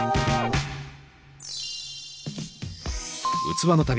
器の旅